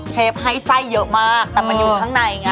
เชฟไฮไซด์เยอะมากแต่มันอยู่ข้างใน